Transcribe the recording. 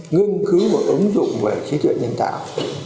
nghiên cứu và ứng dụng về trí tuệ nhân tạo